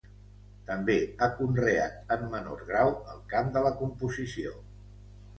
També ha conreat en menor grau el camp de la composició.